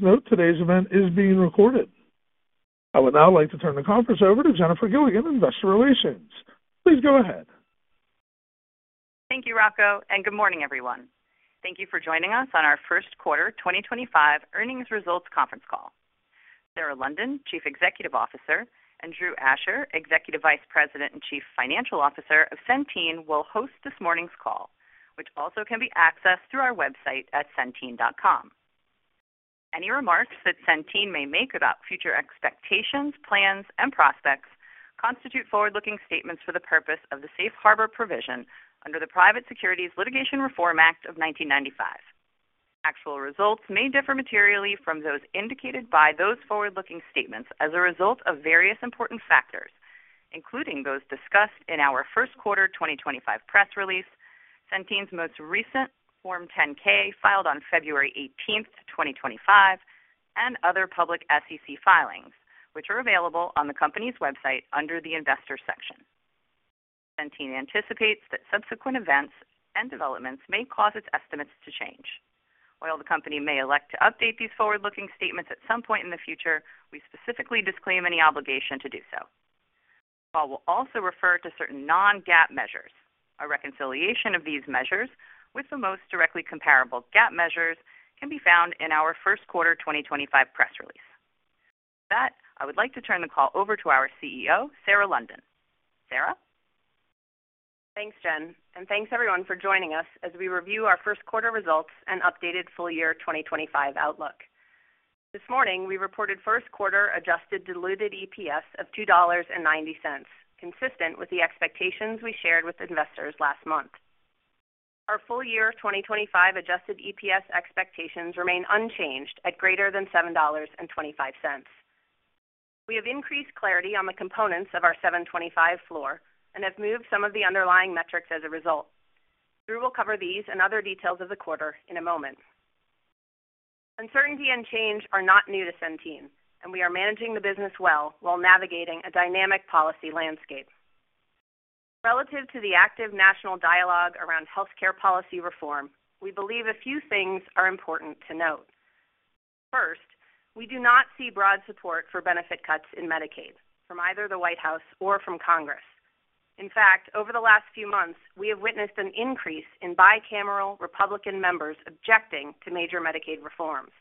Note today's event is being recorded. I would now like to turn the conference over to Jennifer Gilligan of Investor Relations. Please go ahead. Thank you, Rocco, and good morning, everyone. Thank you for joining us on our First Quarter 2025 Earnings Results Conference Call. Sarah London, Chief Executive Officer, and Drew Asher, Executive Vice President and Chief Financial Officer of Centene will host this morning's call, which also can be accessed through our website at centene.com. Any remarks that Centene may make about future expectations, plans, and prospects constitute forward-looking statements for the purpose of the safe harbor provision under the Private Securities Litigation Reform Act of 1995. Actual results may differ materially from those indicated by those forward-looking statements as a result of various important factors, including those discussed in our First Quarter 2025 press release, Centene's most recent Form 10-K filed on February 18, 2025, and other public SEC filings, which are available on the company's website under the Investor section. Centene anticipates that subsequent events and developments may cause its estimates to change. While the company may elect to update these forward-looking statements at some point in the future, we specifically disclaim any obligation to do so. The call will also refer to certain non-GAAP measures. A reconciliation of these measures with the most directly comparable GAAP measures can be found in our first quarter 2025 press release. With that, I would like to turn the call over to our CEO, Sarah London. Sarah? Thanks, Jen, and thanks, everyone, for joining us as we review our first quarter results and updated full year 2025 outlook. This morning, we reported first quarter adjusted diluted EPS of $2.90, consistent with the expectations we shared with investors last month. Our full year 2025 adjusted EPS expectations remain unchanged at greater than $7.25. We have increased clarity on the components of our 7.25 floor and have moved some of the underlying metrics as a result. Drew will cover these and other details of the quarter in a moment. Uncertainty and change are not new to Centene, and we are managing the business well while navigating a dynamic policy landscape. Relative to the active national dialogue around healthcare policy reform, we believe a few things are important to note. First, we do not see broad support for benefit cuts in Medicaid from either the White House or from Congress. In fact, over the last few months, we have witnessed an increase in bicameral Republican members objecting to major Medicaid reforms.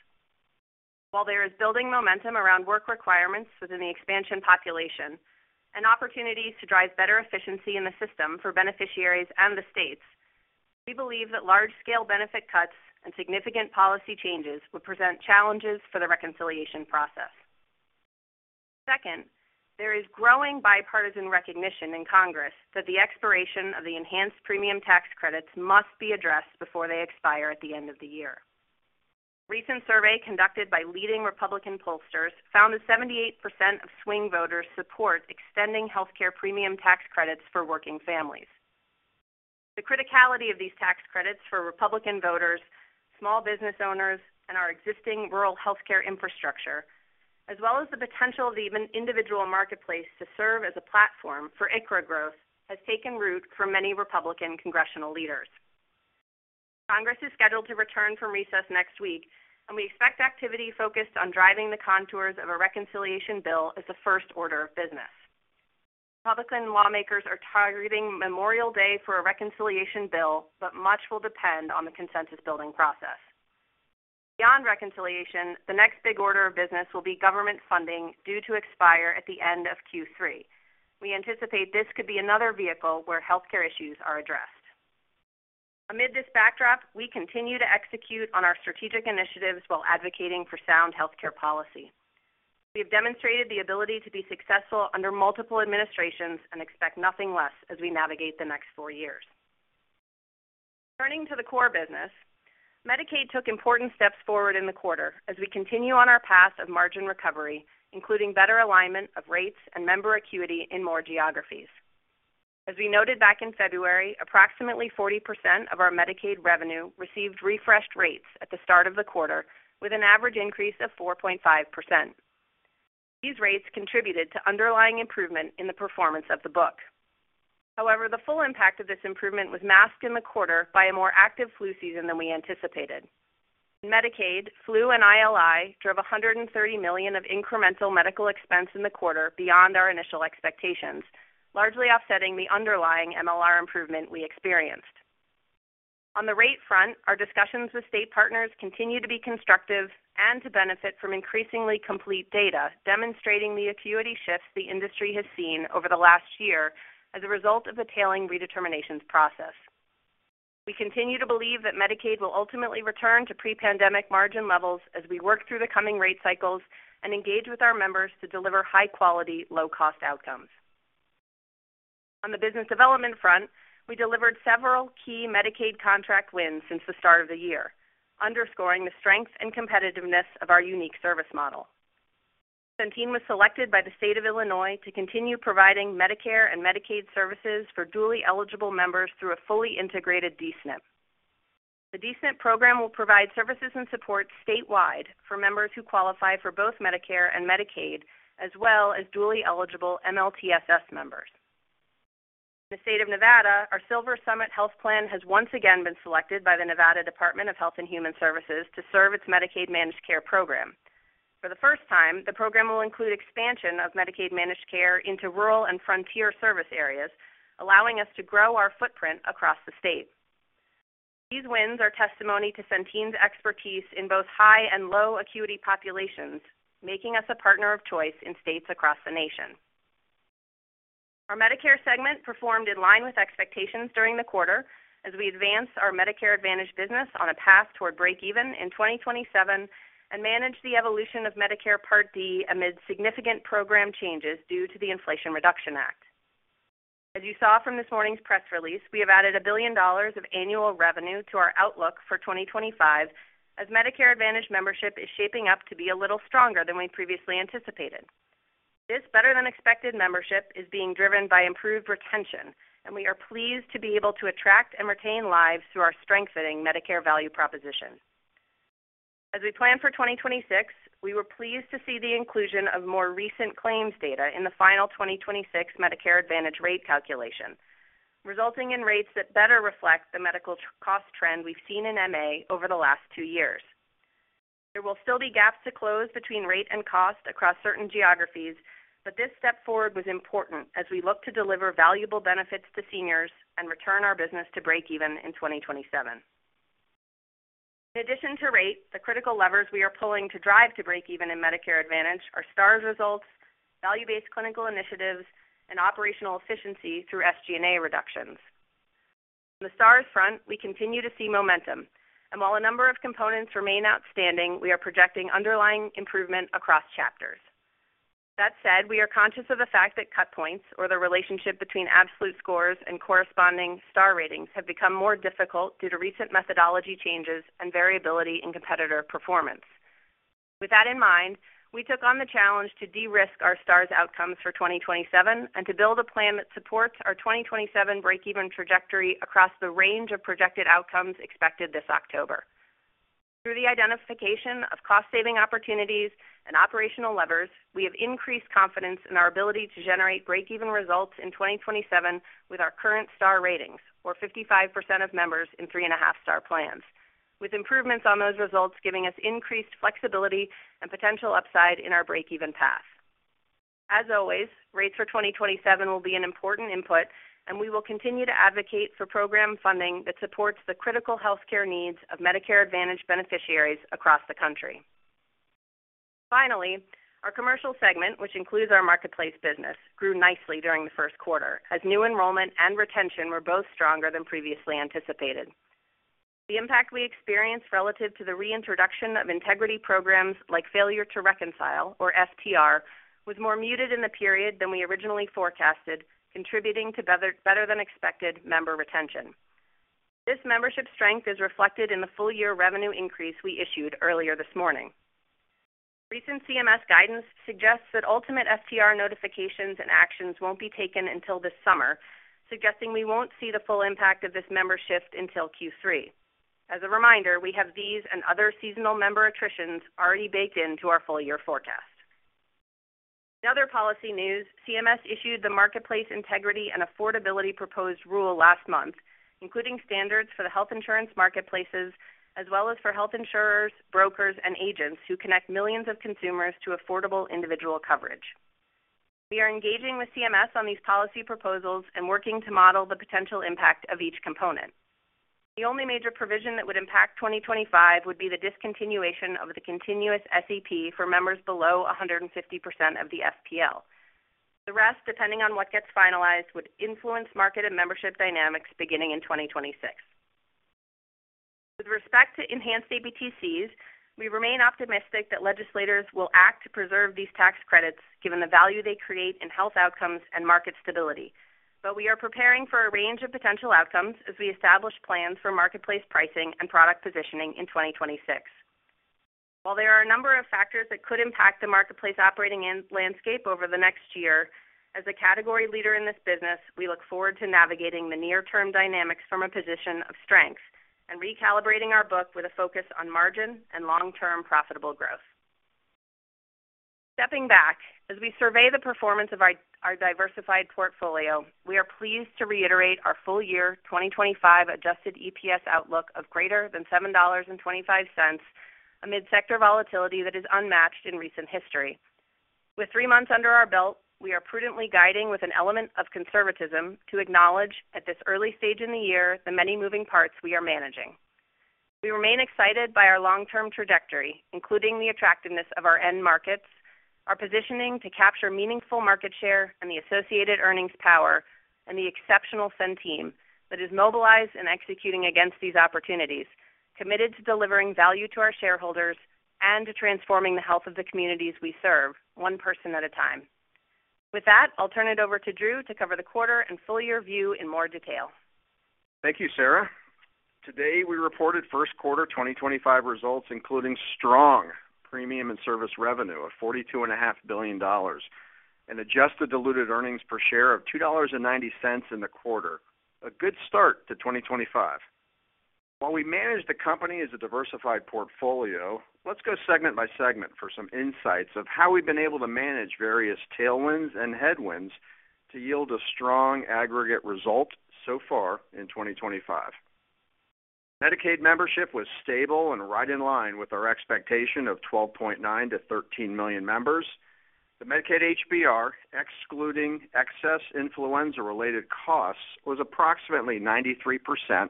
While there is building momentum around work requirements within the expansion population and opportunities to drive better efficiency in the system for beneficiaries and the states, we believe that large-scale benefit cuts and significant policy changes would present challenges for the reconciliation process. Second, there is growing bipartisan recognition in Congress that the expiration of the enhanced premium tax credits must be addressed before they expire at the end of the year. A recent survey conducted by leading Republican pollsters found that 78% of swing voters support extending healthcare premium tax credits for working families. The criticality of these tax credits for Republican voters, small business owners, and our existing rural healthcare infrastructure, as well as the potential of the individual marketplace to serve as a platform for ICHRA growth, has taken root for many Republican congressional leaders. Congress is scheduled to return from recess next week, and we expect activity focused on driving the contours of a reconciliation bill as the first order of business. Republican lawmakers are targeting Memorial Day for a reconciliation bill, but much will depend on the consensus-building process. Beyond reconciliation, the next big order of business will be government funding due to expire at the end of Q3. We anticipate this could be another vehicle where healthcare issues are addressed. Amid this backdrop, we continue to execute on our strategic initiatives while advocating for sound healthcare policy. We have demonstrated the ability to be successful under multiple administrations and expect nothing less as we navigate the next four years. Turning to the core business, Medicaid took important steps forward in the quarter as we continue on our path of margin recovery, including better alignment of rates and member acuity in more geographies. As we noted back in February, approximately 40% of our Medicaid revenue received refreshed rates at the start of the quarter, with an average increase of 4.5%. These rates contributed to underlying improvement in the performance of the book. However, the full impact of this improvement was masked in the quarter by a more active flu season than we anticipated. In Medicaid, flu and ILI drove $130 million of incremental medical expense in the quarter beyond our initial expectations, largely offsetting the underlying MLR improvement we experienced. On the rate front, our discussions with state partners continue to be constructive and to benefit from increasingly complete data demonstrating the acuity shifts the industry has seen over the last year as a result of the tailing redeterminations process. We continue to believe that Medicaid will ultimately return to pre-pandemic margin levels as we work through the coming rate cycles and engage with our members to deliver high-quality, low-cost outcomes. On the business development front, we delivered several key Medicaid contract wins since the start of the year, underscoring the strength and competitiveness of our unique service model. Centene was selected by the state of Illinois to continue providing Medicare and Medicaid services for dually eligible members through a Fully Integrated D-SNP. The D-SNP program will provide services and support statewide for members who qualify for both Medicare and Medicaid, as well as dually eligible MLTSS members. In the state of Nevada, our SilverSummit Healthplan has once again been selected by the Nevada Department of Health and Human Services to serve its Medicaid Managed Care program. For the first time, the program will include expansion of Medicaid Managed Care into rural and frontier service areas, allowing us to grow our footprint across the state. These wins are testimony to Centene's expertise in both high and low acuity populations, making us a partner of choice in states across the nation. Our Medicare segment performed in line with expectations during the quarter as we advance our Medicare Advantage business on a path toward break-even in 2027 and manage the evolution of Medicare Part D amid significant program changes due to the Inflation Reduction Act. As you saw from this morning's press release, we have added $1 billion of annual revenue to our outlook for 2025 as Medicare Advantage membership is shaping up to be a little stronger than we previously anticipated. This better-than-expected membership is being driven by improved retention, and we are pleased to be able to attract and retain lives through our strengthening Medicare value proposition. As we plan for 2026, we were pleased to see the inclusion of more recent claims data in the final 2026 Medicare Advantage rate calculation, resulting in rates that better reflect the medical cost trend we've seen in MA over the last two years. There will still be gaps to close between rate and cost across certain geographies, but this step forward was important as we look to deliver valuable benefits to seniors and return our business to break-even in 2027. In addition to rate, the critical levers we are pulling to drive to break-even in Medicare Advantage are Stars results, value-based clinical initiatives, and operational efficiency through SG&A reductions. On the Stars front, we continue to see momentum, and while a number of components remain outstanding, we are projecting underlying improvement across chapters. That said, we are conscious of the fact that cut points, or the relationship between absolute scores and corresponding Star ratings, have become more difficult due to recent methodology changes and variability in competitor performance. With that in mind, we took on the challenge to de-risk our Stars outcomes for 2027 and to build a plan that supports our 2027 break-even trajectory across the range of projected outcomes expected this October. Through the identification of cost-saving opportunities and operational levers, we have increased confidence in our ability to generate break-even results in 2027 with our current Star ratings, or 55% of members in three-and-a-half Star plans, with improvements on those results giving us increased flexibility and potential upside in our break-even path. As always, rates for 2027 will be an important input, and we will continue to advocate for program funding that supports the critical healthcare needs of Medicare Advantage beneficiaries across the country. Finally, our commercial segment, which includes our marketplace business, grew nicely during the first quarter as new enrollment and retention were both stronger than previously anticipated. The impact we experienced relative to the reintroduction of integrity programs like Failure to Reconcile or FTR, was more muted in the period than we originally forecasted, contributing to better-than-expected member retention. This membership strength is reflected in the full-year revenue increase we issued earlier this morning. Recent CMS guidance suggests that ultimate FTR notifications and actions won't be taken until this summer, suggesting we won't see the full impact of this member shift until Q3. As a reminder, we have these and other seasonal member attritions already baked into our full-year forecast. In other policy news, CMS issued the Marketplace Integrity and Affordability Proposed Rule last month, including standards for the health insurance marketplaces as well as for health insurers, brokers, and agents who connect millions of consumers to affordable individual coverage. We are engaging with CMS on these policy proposals and working to model the potential impact of each component. The only major provision that would impact 2025 would be the discontinuation of the continuous SEP for members below 150% of the FPL. The rest, depending on what gets finalized, would influence market and membership dynamics beginning in 2026. With respect to enhanced APTCs, we remain optimistic that legislators will act to preserve these tax credits given the value they create in health outcomes and market stability, but we are preparing for a range of potential outcomes as we establish plans for marketplace pricing and product positioning in 2026. While there are a number of factors that could impact the marketplace operating landscape over the next year, as a category leader in this business, we look forward to navigating the near-term dynamics from a position of strength and recalibrating our book with a focus on margin and long-term profitable growth. Stepping back, as we survey the performance of our diversified portfolio, we are pleased to reiterate our full year 2025 adjusted EPS outlook of greater than $7.25 amid sector volatility that is unmatched in recent history. With three months under our belt, we are prudently guiding with an element of conservatism to acknowledge at this early stage in the year the many moving parts we are managing. We remain excited by our long-term trajectory, including the attractiveness of our end markets, our positioning to capture meaningful market share and the associated earnings power, and the exceptional Centene that is mobilized and executing against these opportunities, committed to delivering value to our shareholders and to transforming the health of the communities we serve, one person at a time. With that, I'll turn it over to Drew to cover the quarter and full year view in more detail. Thank you, Sarah. Today, we reported First Quarter 2025 Results, including strong premium and service revenue of $42.5 billion and adjusted diluted earnings per share of $2.90 in the quarter. A good start to 2025. While we manage the company as a diversified portfolio, let's go segment by segment for some insights of how we've been able to manage various tailwinds and headwinds to yield a strong aggregate result so far in 2025. Medicaid membership was stable and right in line with our expectation of 12.9-13 million members. The Medicaid HBR, excluding excess influenza-related costs, was approximately 93%,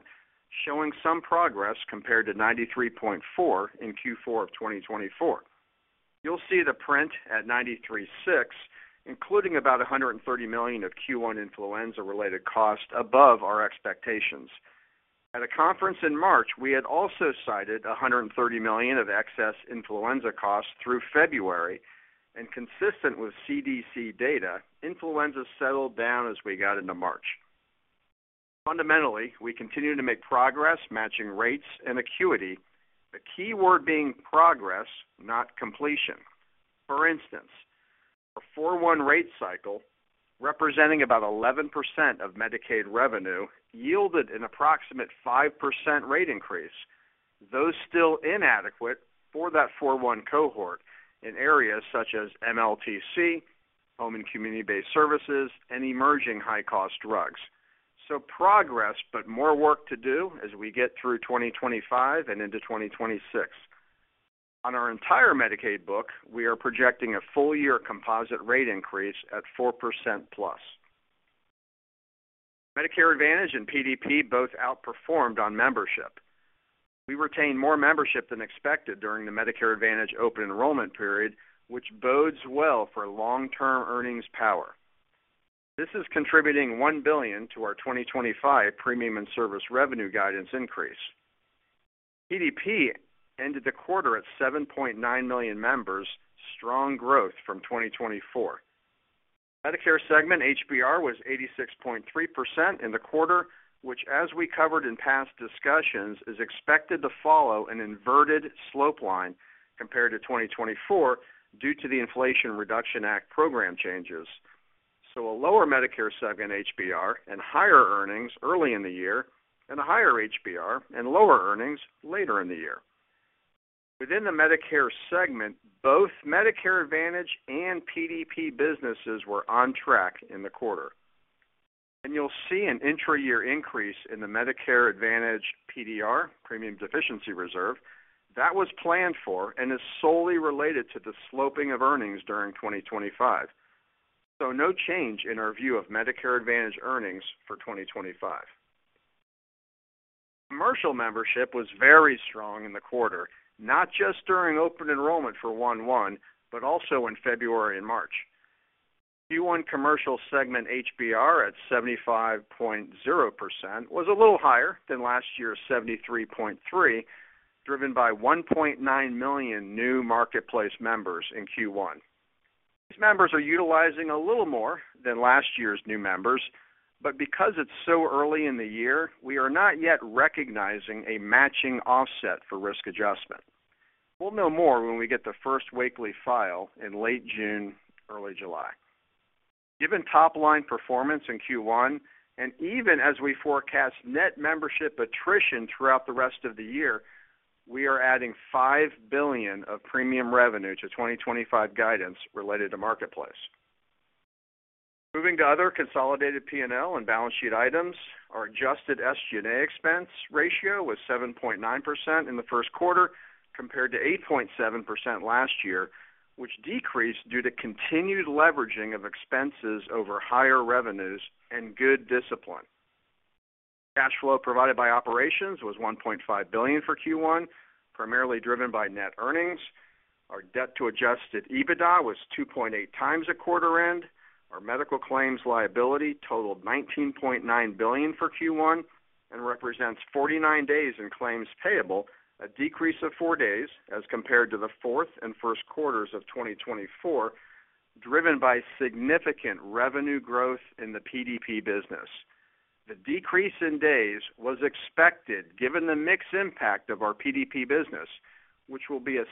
showing some progress compared to 93.4% in Q4 of 2024. You'll see the print at 93.6%, including about $130 million of Q1 influenza-related costs above our expectations. At a conference in March, we had also cited $130 million of excess influenza costs through February, and consistent with CDC data, influenza settled down as we got into March. Fundamentally, we continue to make progress matching rates and acuity, the key word being progress, not completion. For instance, our 4-1 rate cycle, representing about 11% of Medicaid revenue, yielded an approximate 5% rate increase, though still inadequate for that 4-1 cohort in areas such as MLTC, home and community-based services, and emerging high-cost drugs. Progress, but more work to do as we get through 2025 and into 2026. On our entire Medicaid book, we are projecting a full-year composite rate increase at 4% plus. Medicare Advantage and PDP both outperformed on membership. We retained more membership than expected during the Medicare Advantage open enrollment period, which bodes well for long-term earnings power. This is contributing $1 billion to our 2025 premium and service revenue guidance increase. PDP ended the quarter at 7.9 million members, strong growth from 2024. Medicare segment HBR was 86.3% in the quarter, which, as we covered in past discussions, is expected to follow an inverted slope line compared to 2024 due to the Inflation Reduction Act program changes. A lower Medicare segment HBR and higher earnings early in the year, and a higher HBR and lower earnings later in the year. Within the Medicare segment, both Medicare Advantage and PDP businesses were on track in the quarter. You will see an intra-year increase in the Medicare Advantage PDR, Premium Deficiency Reserve, that was planned for and is solely related to the sloping of earnings during 2025. No change in our view of Medicare Advantage earnings for 2025. Commercial membership was very strong in the quarter, not just during open enrollment for 1-1, but also in February and March. Q1 commercial segment HBR at 75.0% was a little higher than last year's 73.3%, driven by 1.9 million new marketplace members in Q1. These members are utilizing a little more than last year's new members, but because it's so early in the year, we are not yet recognizing a matching offset for risk adjustment. We'll know more when we get the first weekly file in late June, early July. Given top-line performance in Q1, and even as we forecast net membership attrition throughout the rest of the year, we are adding $5 billion of premium revenue to 2025 guidance related to marketplace. Moving to other consolidated P&L and balance sheet items, our adjusted SG&A expense ratio was 7.9% in the first quarter compared to 8.7% last year, which decreased due to continued leveraging of expenses over higher revenues and good discipline. Cash flow provided by operations was $1.5 billion for Q1, primarily driven by net earnings. Our debt to adjusted EBITDA was 2.8 times at quarter end. Our medical claims liability totaled $19.9 billion for Q1 and represents 49 days in claims payable, a decrease of four days as compared to the fourth and first quarters of 2024, driven by significant revenue growth in the PDP business. The decrease in days was expected given the mixed impact of our PDP business, which will be a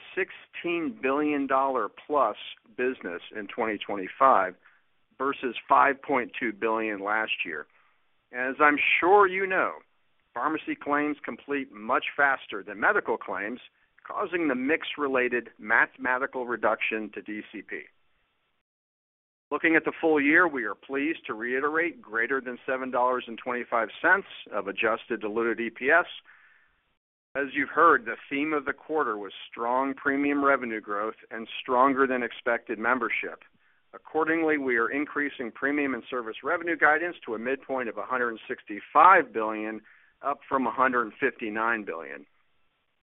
$16 billion-plus business in 2025 versus $5.2 billion last year. As I'm sure you know, pharmacy claims complete much faster than medical claims, causing the mixed-related mathematical reduction to DCP. Looking at the full year, we are pleased to reiterate greater than $7.25 of adjusted diluted EPS. As you've heard, the theme of the quarter was strong premium revenue growth and stronger-than-expected membership. Accordingly, we are increasing premium and service revenue guidance to a midpoint of $165 billion, up from $159 billion.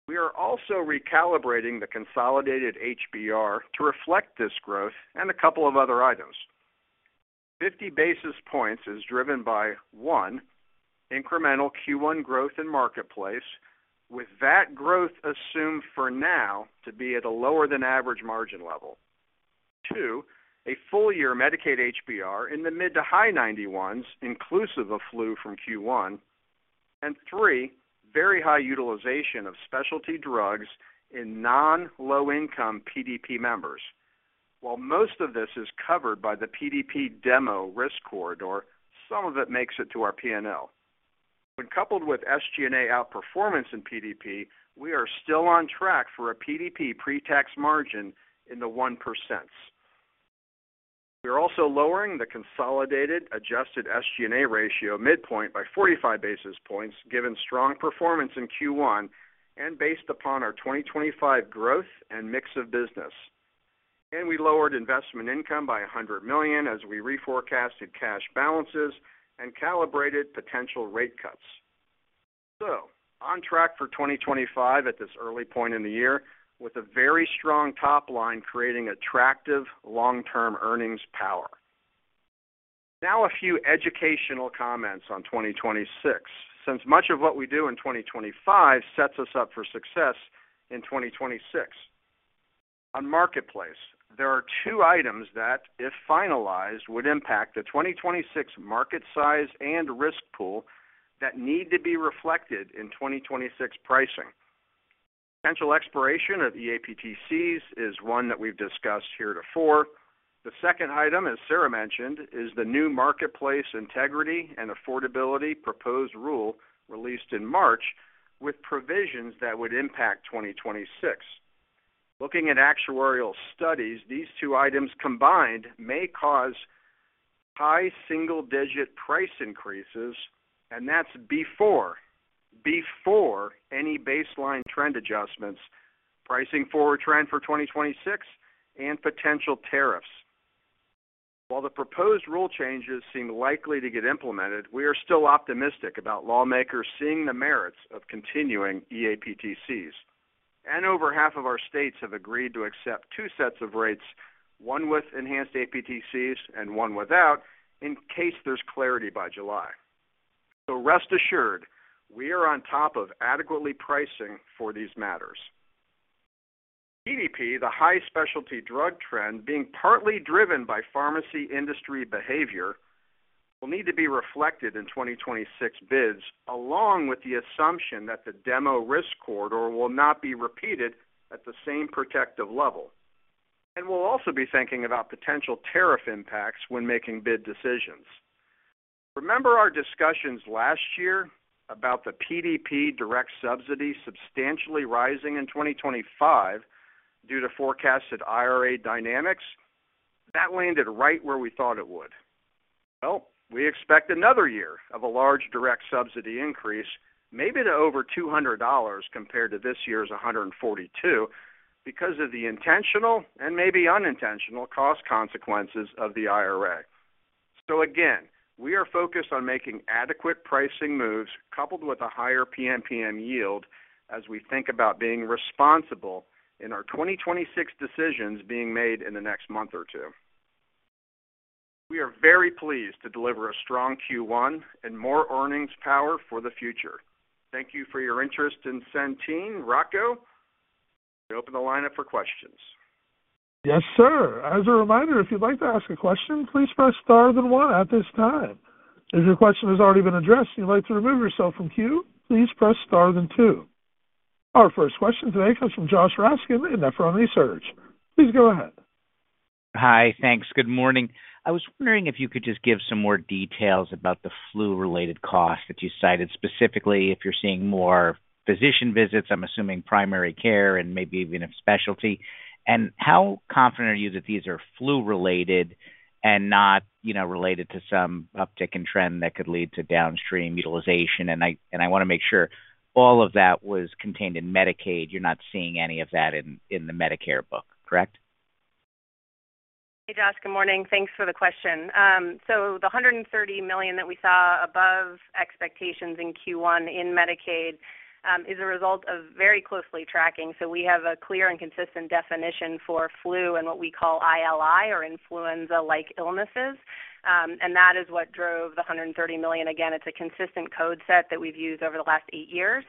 We are also recalibrating the consolidated HBR to reflect this growth and a couple of other items. Fifty basis points is driven by, one, incremental Q1 growth in marketplace, with that growth assumed for now to be at a lower-than-average margin level. Two, a full-year Medicaid HBR in the mid to high 91s, inclusive of flu from Q1. Three, very high utilization of specialty drugs in non-low-income PDP members. While most of this is covered by the PDP demo risk corridor, some of it makes it to our P&L. When coupled with SG&A outperformance in PDP, we are still on track for a PDP pre-tax margin in the 1%s. We are also lowering the consolidated adjusted SG&A ratio midpoint by 45 basis points, given strong performance in Q1 and based upon our 2025 growth and mix of business. We lowered investment income by $100 million as we reforecasted cash balances and calibrated potential rate cuts. On track for 2025 at this early point in the year, with a very strong top line creating attractive long-term earnings power. Now, a few educational comments on 2026, since much of what we do in 2025 sets us up for success in 2026. On marketplace, there are two items that, if finalized, would impact the 2026 market size and risk pool that need to be reflected in 2026 pricing. Potential expiration of EAPTCs is one that we've discussed here before. The second item, as Sarah mentioned, is the new marketplace integrity and affordability proposed rule released in March, with provisions that would impact 2026. Looking at actuarial studies, these two items combined may cause high single-digit price increases, and that's before, before any baseline trend adjustments, pricing forward trend for 2026, and potential tariffs. While the proposed rule changes seem likely to get implemented, we are still optimistic about lawmakers seeing the merits of continuing EAPTCs. Over half of our states have agreed to accept two sets of rates, one with enhanced APTCs and one without, in case there's clarity by July. Rest assured, we are on top of adequately pricing for these matters. PDP, the high specialty drug trend, being partly driven by pharmacy industry behavior, will need to be reflected in 2026 bids along with the assumption that the demo risk corridor will not be repeated at the same protective level. We will also be thinking about potential tariff impacts when making bid decisions. Remember our discussions last year about the PDP direct subsidy substantially rising in 2025 due to forecasted IRA dynamics? That landed right where we thought it would. We expect another year of a large direct subsidy increase, maybe to over $200 compared to this year's $142, because of the intentional and maybe unintentional cost consequences of the IRA. Again, we are focused on making adequate pricing moves coupled with a higher PMPM yield as we think about being responsible in our 2026 decisions being made in the next month or two. We are very pleased to deliver a strong Q1 and more earnings power for the future. Thank you for your interest in Centene, Rocco. We open the lineup for questions. Yes, sir. As a reminder, if you'd like to ask a question, please press star then one at this time. If your question has already been addressed and you'd like to remove yourself from queue, please press star then two. Our first question today comes from Josh Raskin at Nephron Research. Please go ahead. Hi, thanks. Good morning. I was wondering if you could just give some more details about the flu-related costs that you cited, specifically if you're seeing more physician visits, I'm assuming primary care and maybe even a specialty. How confident are you that these are flu-related and not related to some uptick in trend that could lead to downstream utilization? I want to make sure all of that was contained in Medicaid. You're not seeing any of that in the Medicare book, correct? Hey, Josh. Good morning. Thanks for the question. The $130 million that we saw above expectations in Q1 in Medicaid is a result of very closely tracking. We have a clear and consistent definition for flu and what we call ILI or influenza-like illnesses. That is what drove the $130 million. Again, it's a consistent code set that we've used over the last eight years.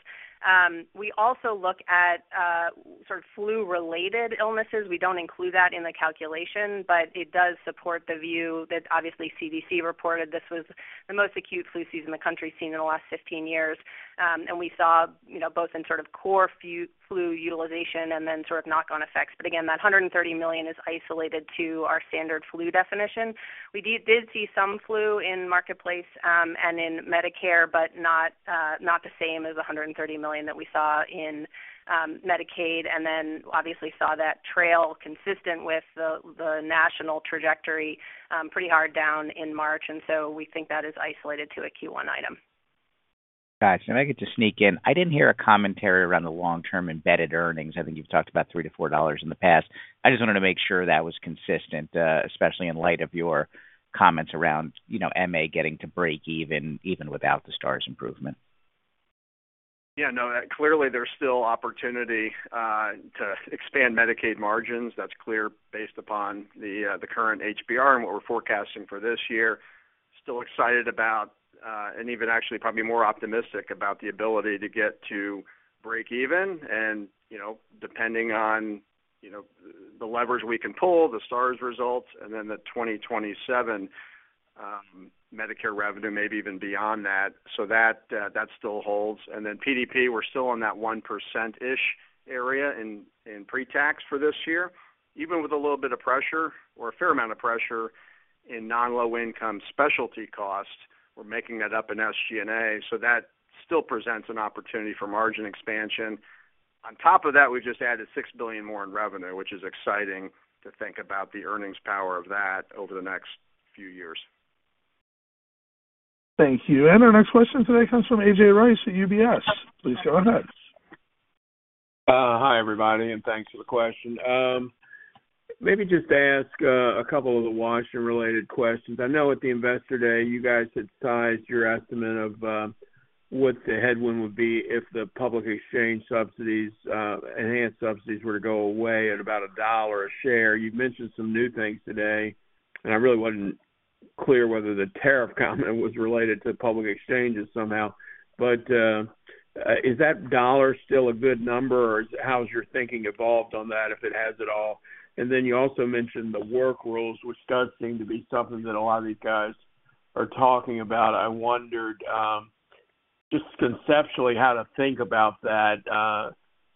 We also look at sort of flu-related illnesses. We do not include that in the calculation, but it does support the view that obviously CDC reported this was the most acute flu season in the country seen in the last 15 years. We saw both in sort of core flu utilization and then sort of knock-on effects. That $130 million is isolated to our standard flu definition. We did see some flu in marketplace and in Medicare, but not the same as the $130 million that we saw in Medicaid. We saw that trail consistent with the national trajectory pretty hard down in March. We think that is isolated to a Q1 item. Gotcha. If I could just sneak in, I did not hear a commentary around the long-term embedded earnings. I think you have talked about $3 to $4 in the past. I just wanted to make sure that was consistent, especially in light of your comments around MA getting to break even without the Stars improvement. Yeah. Clearly there's still opportunity to expand Medicaid margins. That's clear based upon the current HBR and what we're forecasting for this year. Still excited about and even actually probably more optimistic about the ability to get to break even. Depending on the levers we can pull, the Stars results, and then the 2027 Medicare revenue, maybe even beyond that. That still holds. PDP, we're still on that 1%-ish area in pre-tax for this year. Even with a little bit of pressure or a fair amount of pressure in non-low-income specialty costs, we're making that up in SG&A. That still presents an opportunity for margin expansion. On top of that, we've just added $6 billion more in revenue, which is exciting to think about the earnings power of that over the next few years. Thank you. Our next question today comes from A.J. Rice at UBS. Please go ahead. Hi, everybody, and thanks for the question. Maybe just ask a couple of the Washington-related questions. I know at the Investor Day, you guys had sized your estimate of what the headwind would be if the public exchange subsidies, enhanced subsidies were to go away at about a dollar a share. You've mentioned some new things today, and I really wasn't clear whether the tariff comment was related to public exchanges somehow. Is that dollar still a good number, or how has your thinking evolved on that, if it has at all? You also mentioned the work rules, which does seem to be something that a lot of these guys are talking about. I wondered just conceptually how to think about that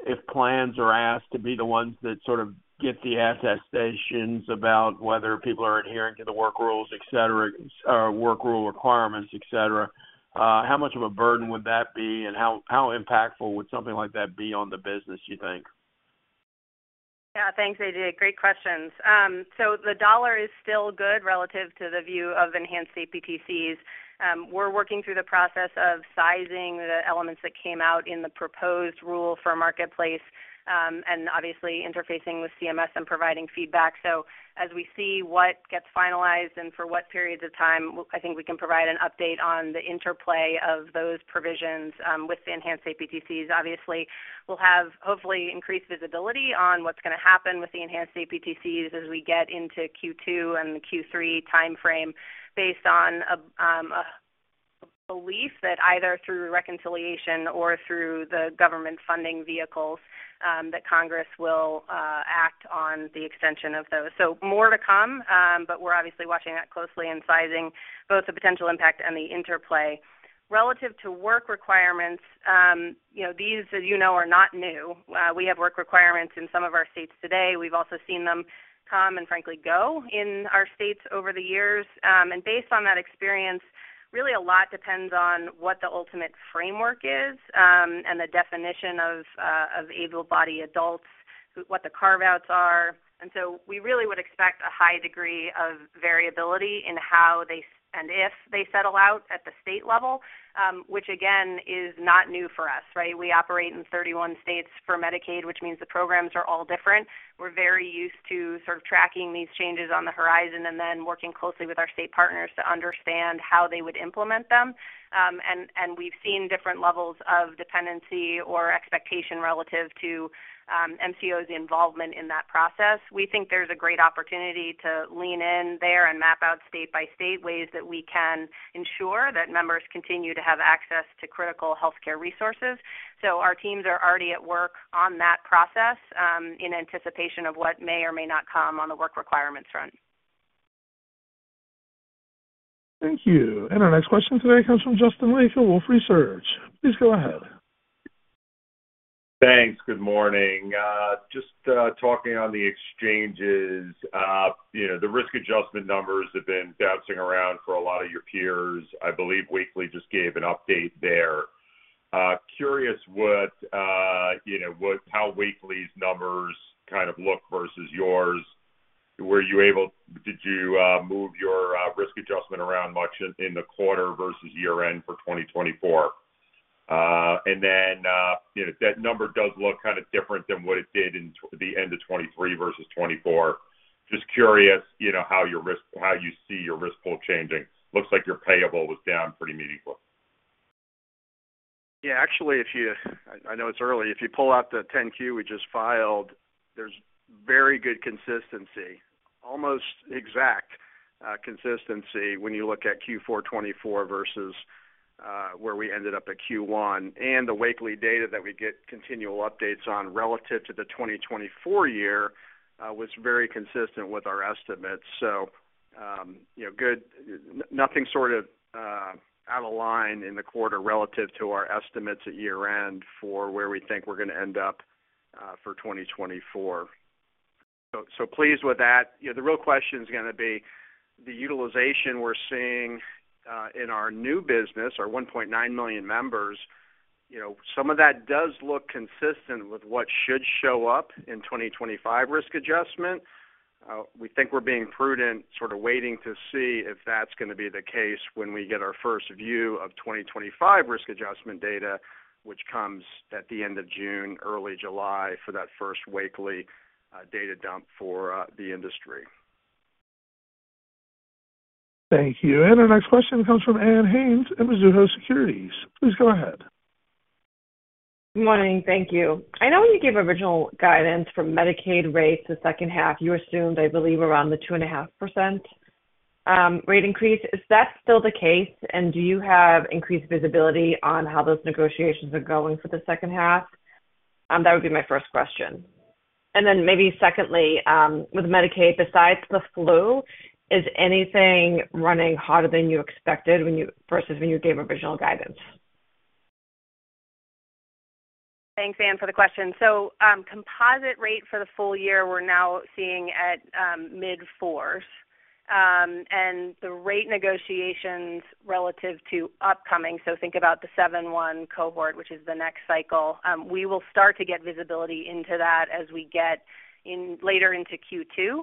if plans are asked to be the ones that sort of get the attestations about whether people are adhering to the work rules, work rule requirements, etc. How much of a burden would that be, and how impactful would something like that be on the business, do you think? Yeah, thanks, A.J. Great questions. The dollar is still good relative to the view of enhanced APTCs. We're working through the process of sizing the elements that came out in the proposed rule for marketplace and obviously interfacing with CMS and providing feedback. As we see what gets finalized and for what periods of time, I think we can provide an update on the interplay of those provisions with the enhanced APTCs. Obviously, we'll have hopefully increased visibility on what's going to happen with the enhanced APTCs as we get into Q2 and the Q3 timeframe based on a belief that either through reconciliation or through the government funding vehicles that Congress will act on the extension of those. More to come, but we're obviously watching that closely and sizing both the potential impact and the interplay. Relative to work requirements, these, as you know, are not new. We have work requirements in some of our states today. We've also seen them come and frankly go in our states over the years. Based on that experience, really a lot depends on what the ultimate framework is and the definition of able-bodied adults, what the carve-outs are. We really would expect a high degree of variability in how they and if they settle out at the state level, which again is not new for us, right? We operate in 31 states for Medicaid, which means the programs are all different. We're very used to sort of tracking these changes on the horizon and then working closely with our state partners to understand how they would implement them. We've seen different levels of dependency or expectation relative to MCO's involvement in that process. We think there's a great opportunity to lean in there and map out state-by-state ways that we can ensure that members continue to have access to critical healthcare resources. Our teams are already at work on that process in anticipation of what may or may not come on the work requirements front. Thank you. Our next question today comes from Justin Lake, Wolfe Research. Please go ahead. Thanks. Good morning. Just talking on the exchanges, the risk adjustment numbers have been bouncing around for a lot of your peers. I believe Wakely just gave an update there. Curious with Wakely's numbers kind of look versus yours. Were you able to move your risk adjustment around much in the quarter versus year-end for 2024? That number does look kind of different than what it did in the end of 2023 versus 2024. Just curious how you see your risk pool changing. Looks like your payable was down pretty meaningfully. Yeah, actually, I know it's early. If you pull out the 10-Q we just filed, there's very good consistency, almost exact consistency when you look at Q4 2024 versus where we ended up at Q1. The Wakely data that we get continual updates on relative to the 2024 year was very consistent with our estimates. Nothing sort of out of line in the quarter relative to our estimates at year-end for where we think we're going to end up for 2024. Pleased with that. The real question is going to be the utilization we're seeing in our new business, our 1.9 million members. Some of that does look consistent with what should show up in 2025 risk adjustment. We think we're being prudent, sort of waiting to see if that's going to be the case when we get our first view of 2025 risk adjustment data, which comes at the end of June, early July for that first Wakely data dump for the industry. Thank you. Our next question comes from Ann Hynes at Mizuho Securities. Please go ahead. Good morning. Thank you. I know when you gave original guidance for Medicaid rates the second half, you assumed, I believe, around the 2.5% rate increase. Is that still the case? Do you have increased visibility on how those negotiations are going for the second half? That would be my first question. Maybe secondly, with Medicaid, besides the flu, is anything running hotter than you expected versus when you gave original guidance? Thanks, Ann, for the question. Composite rate for the full year, we're now seeing at mid-fours. The rate negotiations relative to upcoming, so think about the 7-1 cohort, which is the next cycle, we will start to get visibility into that as we get later into Q2.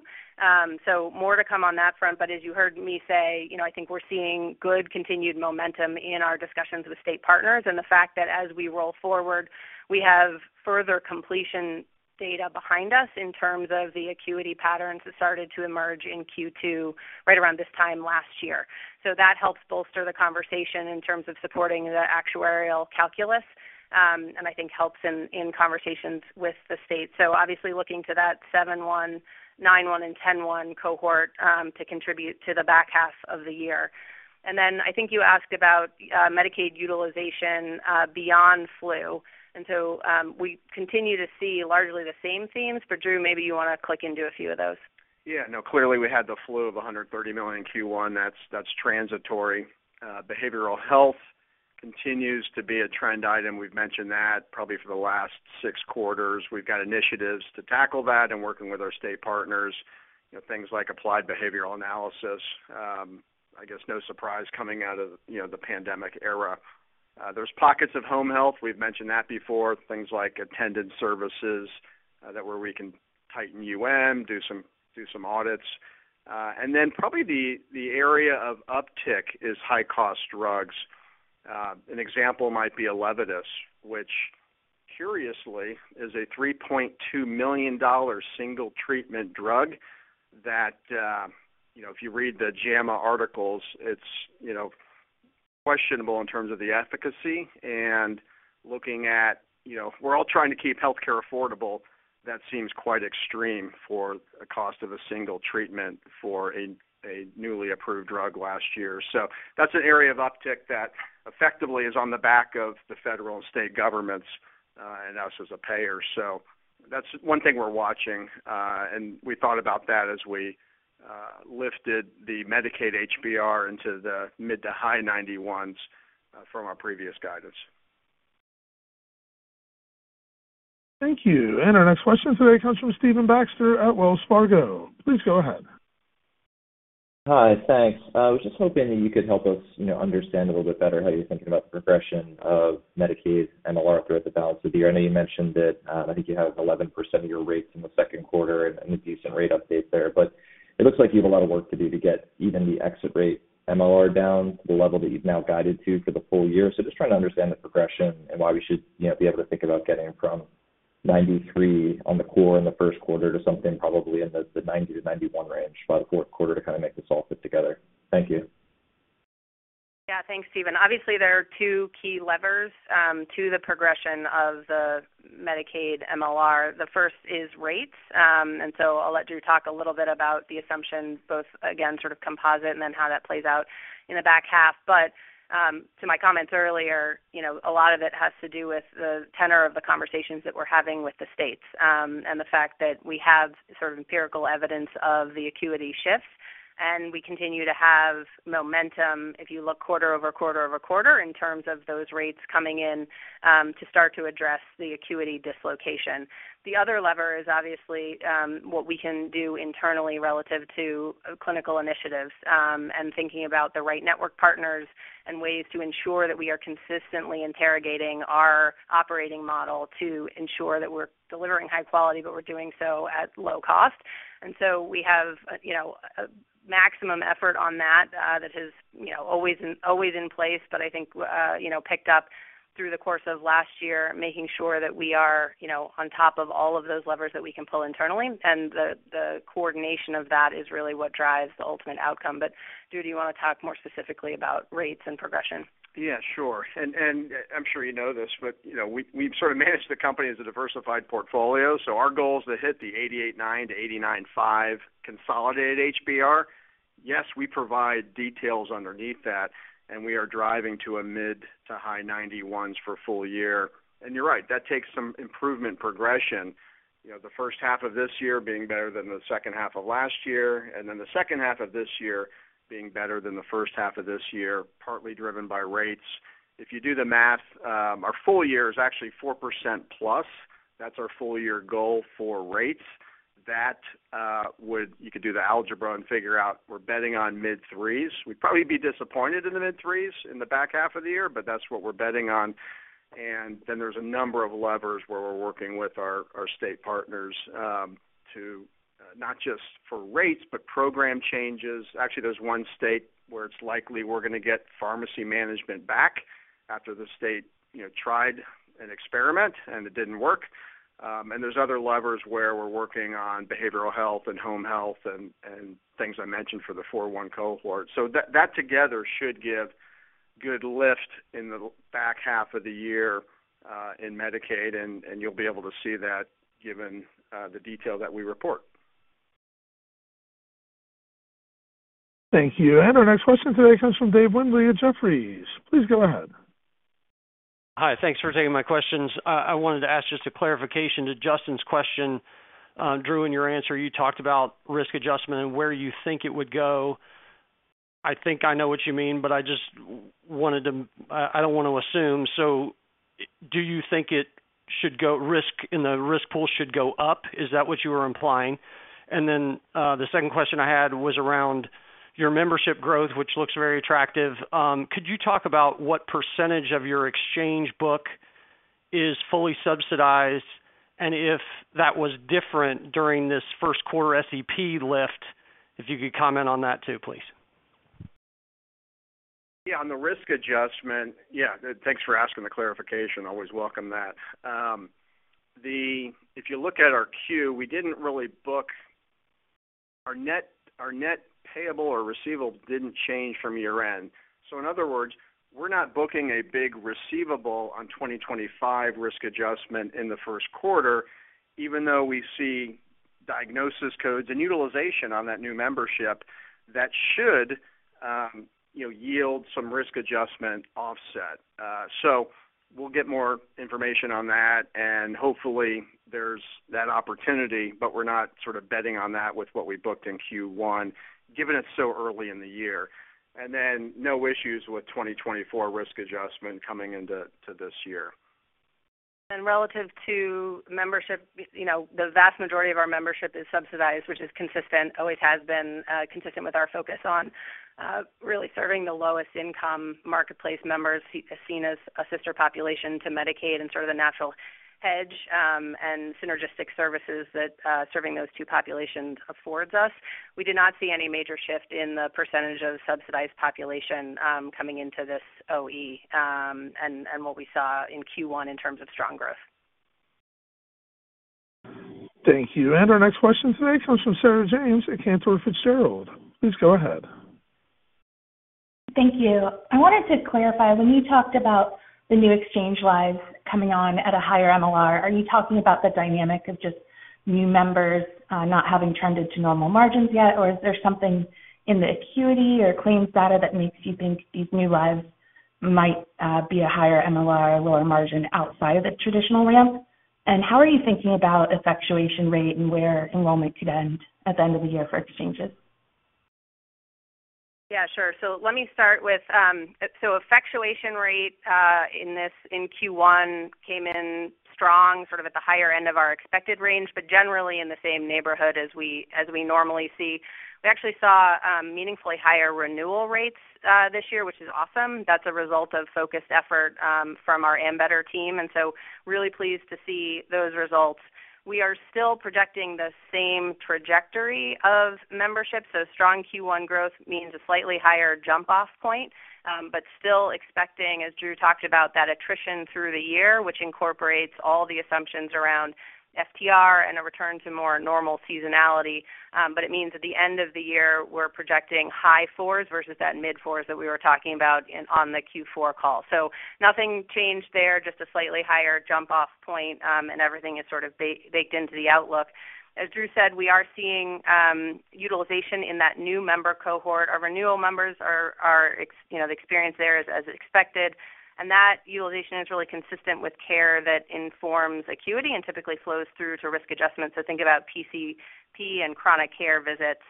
More to come on that front. As you heard me say, I think we're seeing good continued momentum in our discussions with state partners and the fact that as we roll forward, we have further completion data behind us in terms of the acuity patterns that started to emerge in Q2 right around this time last year. That helps bolster the conversation in terms of supporting the actuarial calculus and I think helps in conversations with the states. Obviously looking to that 7-1, 9-1, and 10-1 cohort to contribute to the back half of the year. I think you asked about Medicaid utilization beyond flu. We continue to see largely the same themes. Drew, maybe you want to click into a few of those. Yeah, Clearly we had the flu of $130 million Q1. That's transitory. Behavioral health continues to be a trend item. We've mentioned that probably for the last six quarters. We've got initiatives to tackle that and working with our state partners, things like applied behavioral analysis. I guess no surprise coming out of the pandemic era. There's pockets of home health. We've mentioned that before. Things like attendance services where we can tighten, do some audits. Probably the area of uptick is high-cost drugs. An example might be a Elevidys, which curiously is a $3.2 million single treatment drug that if you read the JAMA articles, it's questionable in terms of the efficacy. Looking at we're all trying to keep healthcare affordable. That seems quite extreme for the cost of a single treatment for a newly approved drug last year. That is an area of uptick that effectively is on the back of the federal and state governments and us as a payer. That is one thing we're watching. We thought about that as we lifted the Medicaid HBR into the mid to high 91s from our previous guidance. Thank you. Our next question today comes from Stephen Baxter at Wells Fargo. Please go ahead. Hi, thanks. I was just hoping that you could help us understand a little bit better how you're thinking about the progression of Medicaid MLR throughout the balance of the year. I know you mentioned that I think you have 11% of your rates in the second quarter and a decent rate update there. It looks like you have a lot of work to do to get even the exit rate MLR down to the level that you've now guided to for the full year. Just trying to understand the progression and why we should be able to think about getting from 93 on the core in the first quarter to something probably in the 90-91 range by the fourth quarter to kind of make this all fit together. Thank you. Yeah, thanks, Stephen. Obviously, there are two key levers to the progression of the Medicaid MLR. The first is rates. I'll let Drew talk a little bit about the assumptions, both again, sort of composite and then how that plays out in the back half. To my comments earlier, a lot of it has to do with the tenor of the conversations that we're having with the states and the fact that we have sort of empirical evidence of the acuity shifts. We continue to have momentum if you look quarter-over-quarter over quarter in terms of those rates coming in to start to address the acuity dislocation. The other lever is obviously what we can do internally relative to clinical initiatives and thinking about the right network partners and ways to ensure that we are consistently interrogating our operating model to ensure that we're delivering high quality, but we're doing so at low cost. We have a maximum effort on that that has always been in place, but I think picked up through the course of last year, making sure that we are on top of all of those levers that we can pull internally. The coordination of that is really what drives the ultimate outcome. Drew, do you want to talk more specifically about rates and progression? Yeah, sure. I'm sure you know this, but we've sort of managed the company as a diversified portfolio. Our goal is to hit the 88.9%-89.5% consolidated HBR. Yes, we provide details underneath that, and we are driving to a mid to high 91% for full year. You're right, that takes some improvement progression. The first half of this year being better than the second half of last year, and the second half of this year being better than the first half of this year, partly driven by rates. If you do the math, our full year is actually 4% plus. That's our full year goal for rates. You could do the algebra and figure out we're betting on mid-threes. We'd probably be disappointed in the mid-threes in the back half of the year, but that's what we're betting on. There are a number of levers where we're working with our state partners not just for rates, but program changes. Actually, there's one state where it's likely we're going to get pharmacy management back after the state tried an experiment and it didn't work. There are other levers where we're working on behavioral health and home health and things I mentioned for the 4-1 cohort. That together should give good lift in the back half of the year in Medicaid, and you'll be able to see that given the detail that we report. Thank you. Our next question today comes from Dave Windley at Jefferies. Please go ahead. Hi, thanks for taking my questions. I wanted to ask just a clarification to Justin's question. Drew, in your answer, you talked about risk adjustment and where you think it would go. I think I know what you mean, but I just wanted to, I don't want to assume. Do you think it should go risk in the risk pool should go up? Is that what you were implying? Then the second question I had was around your membership growth, which looks very attractive. Could you talk about what percentage of your exchange book is fully subsidized? If that was different during this first quarter SEP lift, if you could comment on that too, please. Yeah, on the risk adjustment, yeah, thanks for asking the clarification. I always welcome that. If you look at our Q, we did not really book our net payable or receivable did not change from year-end. In other words, we are not booking a big receivable on 2025 risk adjustment in the first quarter, even though we see diagnosis codes and utilization on that new membership that should yield some risk adjustment offset. We'll get more information on that, and hopefully there's that opportunity, but we're not sort of betting on that with what we booked in Q1, given it's so early in the year. No issues with 2024 risk adjustment coming into this year. Relative to membership, the vast majority of our membership is subsidized, which is consistent, always has been consistent with our focus on really serving the lowest income marketplace members seen as a sister population to Medicaid and sort of the natural hedge and synergistic services that serving those two populations affords us. We did not see any major shift in the percentage of subsidized population coming into this OE and what we saw in Q1 in terms of strong growth. Thank you. Our next question today comes from Sarah James at Cantor Fitzgerald. Please go ahead.. Thank you I wanted to clarify when you talked about the new exchange lives coming on at a higher MLR, are you talking about the dynamic of just new members not having trended to normal margins yet, or is there something in the acuity or claims data that makes you think these new lives might be a higher MLR or lower margin outside of the traditional ramp? How are you thinking about effectuation rate and where enrollment could end at the end of the year for exchanges? Yeah, sure. Let me start with effectuation rate in Q1 came in strong, sort of at the higher end of our expected range, but generally in the same neighborhood as we normally see. We actually saw meaningfully higher renewal rates this year, which is awesome. That's a result of focused effort from our Ambetter team. Really pleased to see those results. We are still projecting the same trajectory of membership. Strong Q1 growth means a slightly higher jump-off point, but still expecting, as Drew talked about, that attrition through the year, which incorporates all the assumptions around FTR and a return to more normal seasonality. It means at the end of the year, we're projecting high fours versus that mid-fours that we were talking about on the Q4 call. Nothing changed there, just a slightly higher jump-off point, and everything is sort of baked into the outlook. As Drew said, we are seeing utilization in that new member cohort. Our renewal members are the experience there is as expected. That utilization is really consistent with care that informs acuity and typically flows through to risk adjustment. Think about PCP and chronic care visits.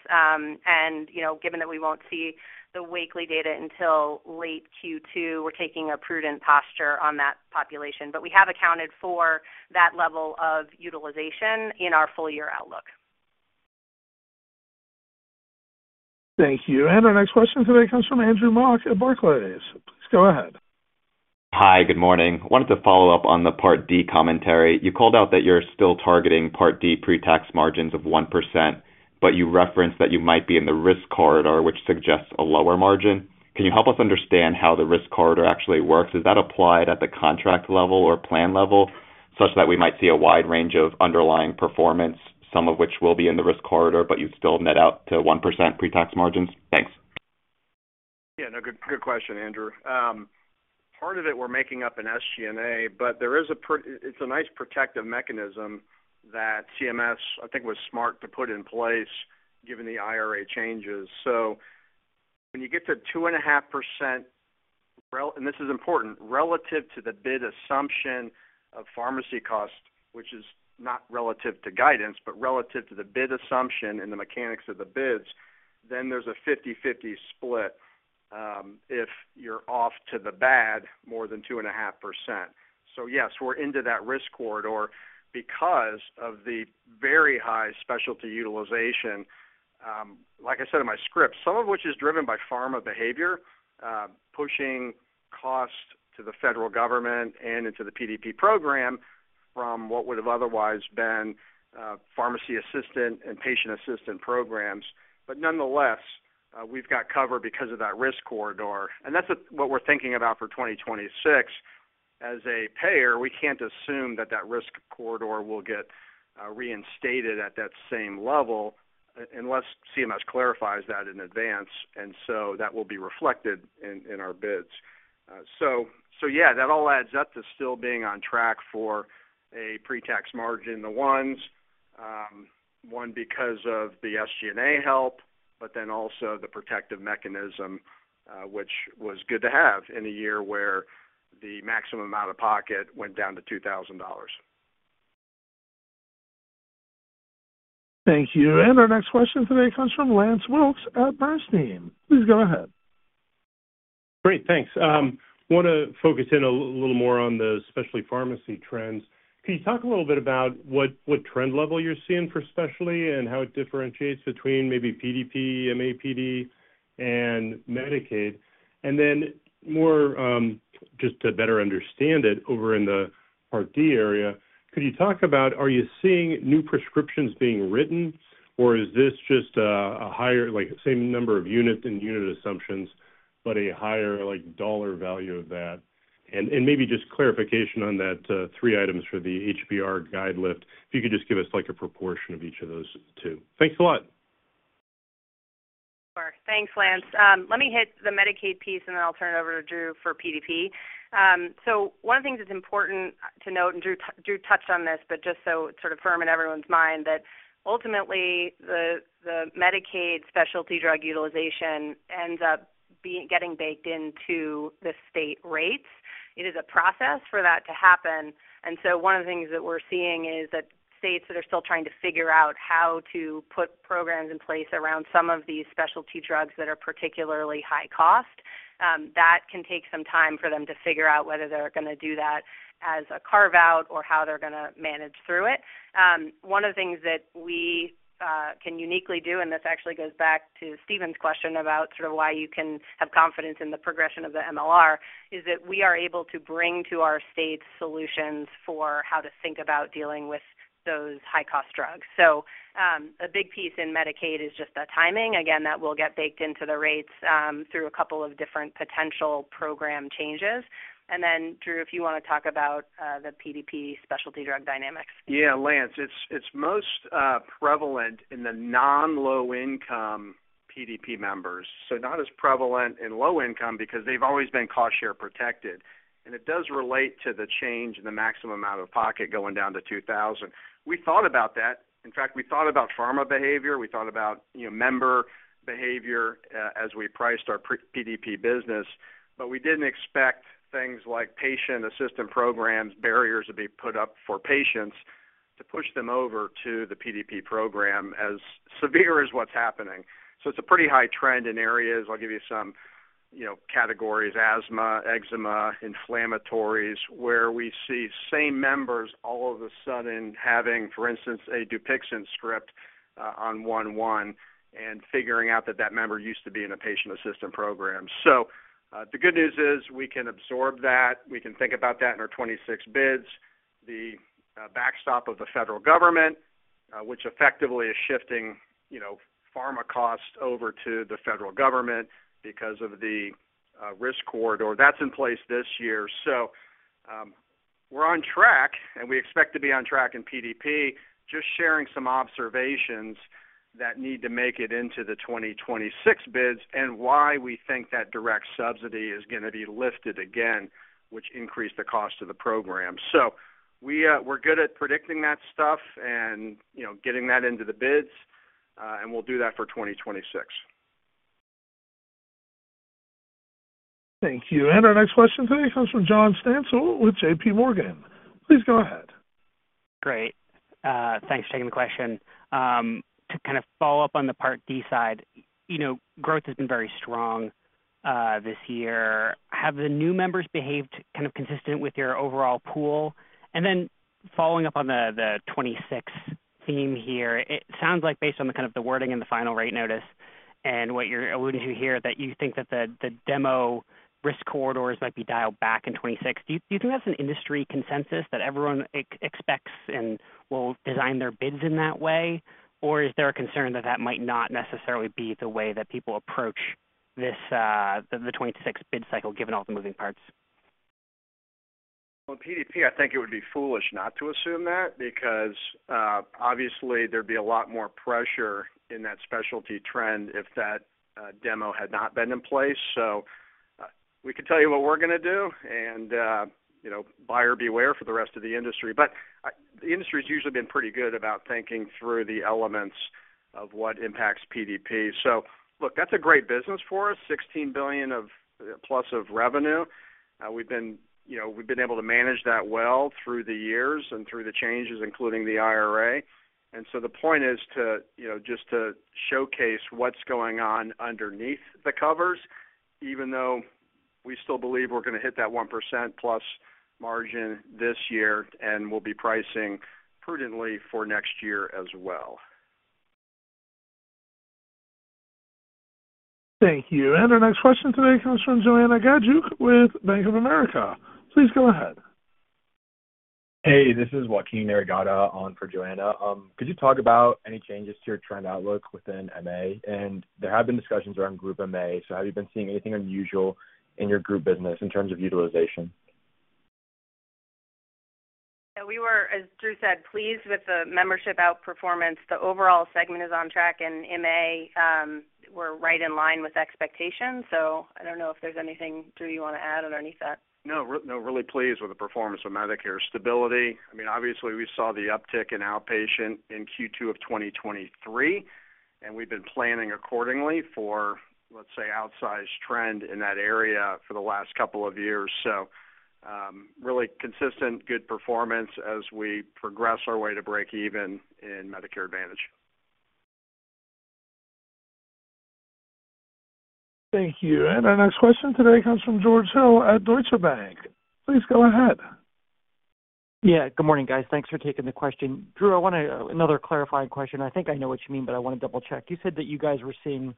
Given that we won't see the weekly data until late Q2, we're taking a prudent posture on that population. We have accounted for that level of utilization in our full year outlook. Thank you. Our next question today comes from Andrew Mok at Barclays. Please go ahead. Hi, good morning. Wanted to follow up on the Part D commentary. You called out that you're still targeting Part D pre-tax margins of 1%, but you referenced that you might be in the risk corridor, which suggests a lower margin. Can you help us understand how the risk corridor actually works? Is that applied at the contract level or plan level such that we might see a wide range of underlying performance, some of which will be in the risk corridor, but you still net out to 1% pre-tax margins? Thanks. Yeah. Good question, Andrew. Part of it, we're making up an SG&A, but it's a nice protective mechanism that CMS, I think, was smart to put in place given the IRA changes. When you get to 2.5%, and this is important, relative to the bid assumption of pharmacy cost, which is not relative to guidance, but relative to the bid assumption and the mechanics of the bids, then there's a 50/50 split if you're off to the bad more than 2.5%. Yes, we're into that risk corridor because of the very high specialty utilization. Like I said in my script, some of which is driven by pharma behavior, pushing cost to the federal government and into the PDP program from what would have otherwise been pharmacy assistant and patient assistance programs. Nonetheless, we've got cover because of that risk corridor. That's what we're thinking about for 2026. As a payer, we can't assume that that risk corridor will get reinstated at that same level unless CMS clarifies that in advance. That will be reflected in our bids. Yeah, that all adds up to still being on track for a pre-tax margin, the ones, one because of the SG&A help, but then also the protective mechanism, which was good to have in a year where the maximum out-of-pocket went down to $2,000. Thank you. Our next question today comes from Lance Wilkes at Bernstein. Please go ahead. Great, thanks. I want to focus in a little more on the specialty pharmacy trends. Can you talk a little bit about what trend level you're seeing for specialty and how it differentiates between maybe PDP, MAPD, and Medicaid? More just to better understand it over in the Part D area, could you talk about are you seeing new prescriptions being written, or is this just a higher same number of units and unit assumptions, but a higher dollar value of that? Maybe just clarification on that three items for the HBR guide lift, if you could just give us a proportion of each of those too. Thanks a lot. Sure. Thanks, Lance. Let me hit the Medicaid piece, and then I'll turn it over to Drew for PDP. One of the things that's important to note, and Drew touched on this, but just so it's sort of firm in everyone's mind, is that ultimately the Medicaid specialty drug utilization ends up getting baked into the state rates. It is a process for that to happen. One of the things that we're seeing is that states are still trying to figure out how to put programs in place around some of these specialty drugs that are particularly high cost. That can take some time for them to figure out whether they're going to do that as a carve-out or how they're going to manage through it. One of the things that we can uniquely do, and this actually goes back to Stephen's question about sort of why you can have confidence in the progression of the MLR, is that we are able to bring to our state solutions for how to think about dealing with those high-cost drugs. A big piece in Medicaid is just the timing. Again, that will get baked into the rates through a couple of different potential program changes. Drew, if you want to talk about the PDP specialty drug dynamics. Yeah, Lance, it's most prevalent in the non-low-income PDP members. Not as prevalent in low-income because they've always been cost-share protected. It does relate to the change in the maximum out-of-pocket going down to $2,000. We thought about that. In fact, we thought about pharma behavior. We thought about member behavior as we priced our PDP business. We didn't expect things like patient assistant programs, barriers to be put up for patients to push them over to the PDP program as severe as what's happening. It's a pretty high trend in areas. I'll give you some categories: asthma, eczema, inflammatories, where we see same members all of a sudden having, for instance, a Dupixent script on one-one and figuring out that that member used to be in a patient assistant program. The good news is we can absorb that. We can think about that in our 2026 bids. The backstop of the federal government, which effectively is shifting pharma costs over to the federal government because of the risk corridor, that's in place this year. We're on track, and we expect to be on track in PDP. Just sharing some observations that need to make it into the 2026 bids and why we think that direct subsidy is going to be lifted again, which increased the cost of the program. We're good at predicting that stuff and getting that into the bids, and we'll do that for 2026. Thank you. Our next question today comes from John Stansel with JPMorgan. Please go ahead. Great. Thanks for taking the question. To kind of follow up on the Part D side, growth has been very strong this year. Have the new members behaved kind of consistent with your overall pool? Following up on the 2026 theme here, it sounds like based on kind of the wording in the final rate notice and what you're alluding to here that you think that the demo risk corridors might be dialed back in 2026. Do you think that's an industry consensus that everyone expects and will design their bids in that way? Or is there a concern that that might not necessarily be the way that people approach the 2026 bid cycle given all the moving parts? In PDP, I think it would be foolish not to assume that because obviously there would be a lot more pressure in that specialty trend if that demo had not been in place. We can tell you what we're going to do, and buyer beware for the rest of the industry. The industry has usually been pretty good about thinking through the elements of what impacts PDP. Look, that's a great business for us, $16 billion plus of revenue. We've been able to manage that well through the years and through the changes, including the IRA. The point is just to showcase what's going on underneath the covers, even though we still believe we're going to hit that 1% plus margin this year and we'll be pricing prudently for next year as well. Thank you. Our next question today comes from Joanna Gajuk with Bank of America. Please go ahead. Hey, this is Joaquin Arriagada on for Joanna. Could you talk about any changes to your trend outlook within MA? There have been discussions around Group MA, so have you been seeing anything unusual in your group business in terms of utilization? Yeah, we were, as Drew said, pleased with the membership outperformance. The overall segment is on track, and MA were right in line with expectations. I do not know if there is anything, Drew, you want to add underneath that? No, really pleased with the performance of Medicare stability. I mean, obviously, we saw the uptick in outpatient in Q2 of 2023, and we have been planning accordingly for, let's say, outsized trend in that area for the last couple of years. Really consistent, good performance as we progress our way to break even in Medicare Advantage. Thank you. Our next question today comes from George Hill at Deutsche Bank. Please go ahead. Yeah, good morning, guys. Thanks for taking the question. Drew, I want another clarifying question. I think I know what you mean, but I want to double-check. You said that you guys were seeing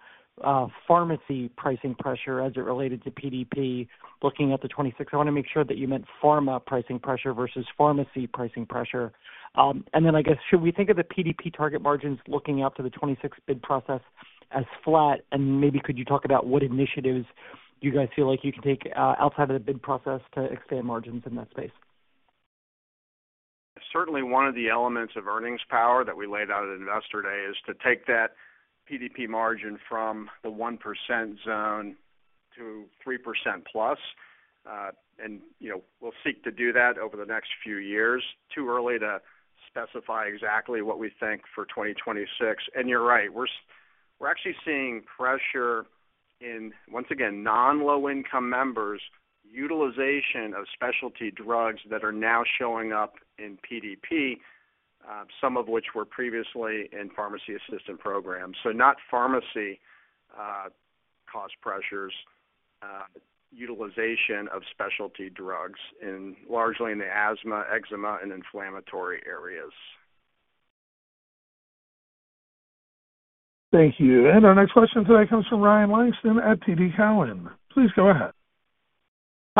pharmacy pricing pressure as it related to PDP looking at the 2026. I want to make sure that you meant pharma pricing pressure versus pharmacy pricing pressure. I guess, should we think of the PDP target margins looking out to the 2026 bid process as flat? Maybe could you talk about what initiatives you guys feel like you can take outside of the bid process to expand margins in that space? Certainly, one of the elements of earnings power that we laid out at Investor Day is to take that PDP margin from the 1% zone to 3% plus. We'll seek to do that over the next few years. Too early to specify exactly what we think for 2026. You're right. We're actually seeing pressure in, once again, non-low-income members' utilization of specialty drugs that are now showing up in PDP, some of which were previously in pharmacy assistant programs. So not pharmacy cost pressures, utilization of specialty drugs, and largely in the asthma, eczema, and inflammatory areas. Thank you. Our next question today comes from Ryan Langston at TD Cowen. Please go ahead.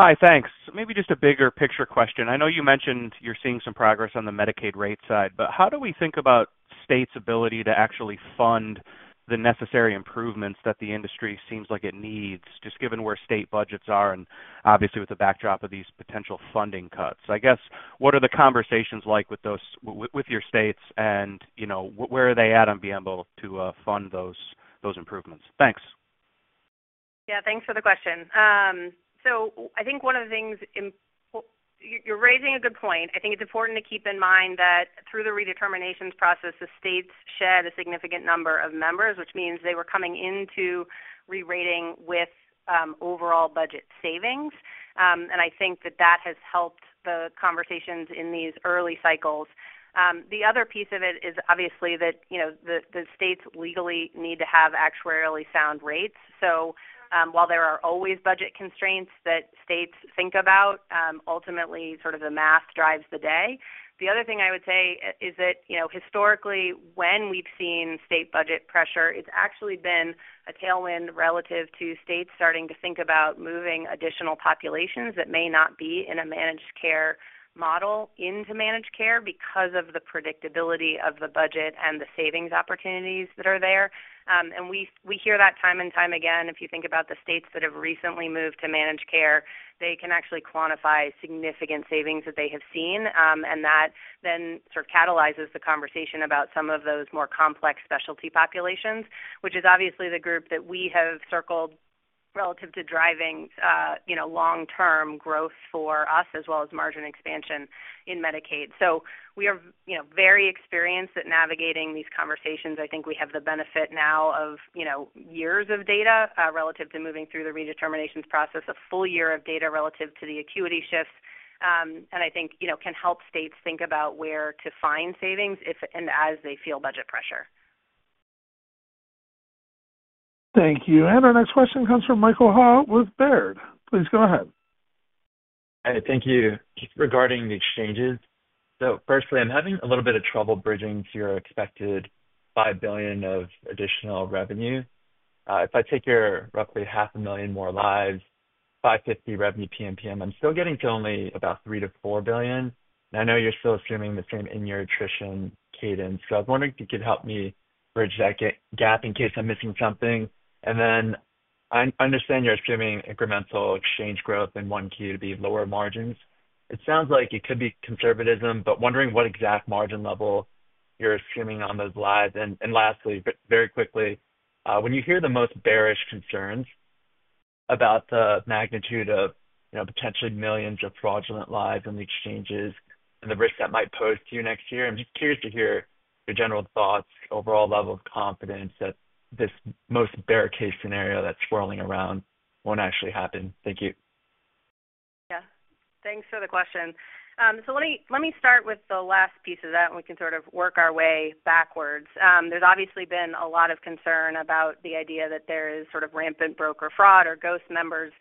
Hi, thanks. Maybe just a bigger picture question. I know you mentioned you're seeing some progress on the Medicaid rate side, but how do we think about states' ability to actually fund the necessary improvements that the industry seems like it needs, just given where state budgets are and obviously with the backdrop of these potential funding cuts? I guess, what are the conversations like with your states, and where are they at on being able to fund those improvements? Thanks. Yeah, thanks for the question. I think one of the things you're raising a good point. I think it's important to keep in mind that through the redeterminations process, the states shed a significant number of members, which means they were coming into re-rating with overall budget savings. I think that that has helped the conversations in these early cycles. The other piece of it is obviously that the states legally need to have actuarially sound rates. While there are always budget constraints that states think about, ultimately sort of the math drives the day. The other thing I would say is that historically, when we've seen state budget pressure, it's actually been a tailwind relative to states starting to think about moving additional populations that may not be in a managed care model into managed care because of the predictability of the budget and the savings opportunities that are there. We hear that time and time again. If you think about the states that have recently moved to managed care, they can actually quantify significant savings that they have seen. That then sort of catalyzes the conversation about some of those more complex specialty populations, which is obviously the group that we have circled relative to driving long-term growth for us as well as margin expansion in Medicaid. We are very experienced at navigating these conversations. I think we have the benefit now of years of data relative to moving through the redeterminations process, a full year of data relative to the acuity shifts. I think we can help states think about where to find savings as they feel budget pressure. Thank you. Our next question comes from Michael Ha with Baird. Please go ahead. Hi, thank you. Just regarding the exchanges. Firstly, I'm having a little bit of trouble bridging to your expected $5 billion of additional revenue. If I take your roughly 500,000 more lives, $550 revenue PMPM, I'm still getting to only about $3 billion to $4 billion. I know you're still assuming the same in your attrition cadence. I was wondering if you could help me bridge that gap in case I'm missing something. I understand you're assuming incremental exchange growth in 1Q the lower margins. It sounds like it could be conservatism, but wondering what exact margin level you're assuming on those lives. Lastly, very quickly, when you hear the most bearish concerns about the magnitude of potentially millions of fraudulent lives in the exchanges and the risk that might pose to you next year, I'm just curious to hear your general thoughts, overall level of confidence that this most bear case scenario that's swirling around won't actually happen. Thank you. Yeah. Thanks for the question. Let me start with the last piece of that, and we can sort of work our way backwards. There's obviously been a lot of concern about the idea that there is sort of rampant broker fraud or ghost members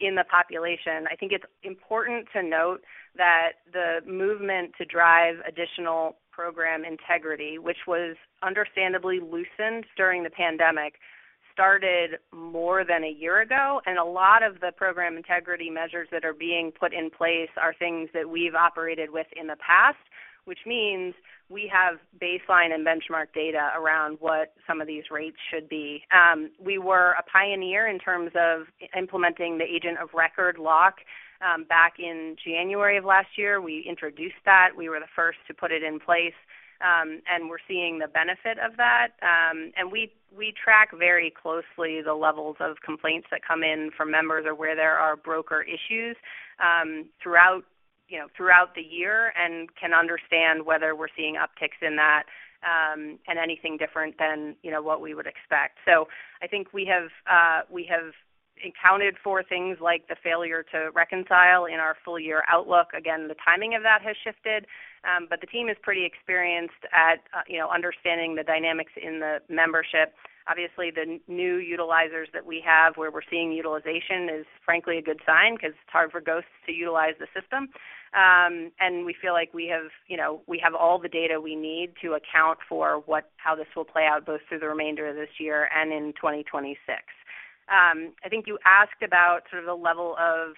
in the population. I think it's important to note that the movement to drive additional program integrity, which was understandably loosened during the pandemic, started more than a year ago. A lot of the program integrity measures that are being put in place are things that we've operated with in the past, which means we have baseline and benchmark data around what some of these rates should be. We were a pioneer in terms of implementing the agent of record lock back in January of last year. We introduced that. We were the first to put it in place. We're seeing the benefit of that. We track very closely the levels of complaints that come in from members or where there are broker issues throughout the year and can understand whether we're seeing upticks in that and anything different than what we would expect. I think we have encountered for things like the failure to reconcile in our full year outlook. Again, the timing of that has shifted. The team is pretty experienced at understanding the dynamics in the membership. Obviously, the new utilizers that we have where we're seeing utilization is frankly a good sign because it's hard for ghosts to utilize the system. We feel like we have all the data we need to account for how this will play out both through the remainder of this year and in 2026. I think you asked about sort of the level of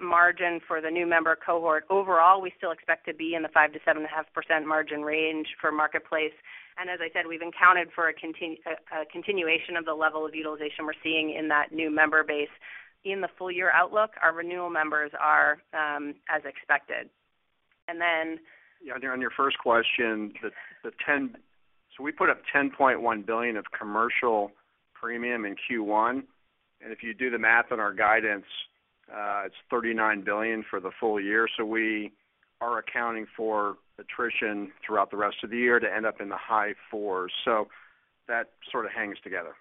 margin for the new member cohort. Overall, we still expect to be in the 5-7.5% margin range for marketplace. As I said, we've accounted for a continuation of the level of utilization we're seeing in that new member base. In the full year outlook, our renewal members are as expected. On your first question, the 10, so we put up $10.1 billion of commercial premium in Q1. If you do the math on our guidance, it's $39 billion for the full year. We are accounting for attrition throughout the rest of the year to end up in the high fours. That sort of hangs together.